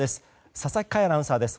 佐々木快アナウンサーです。